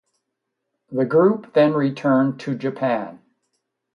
The group then returned to Japan.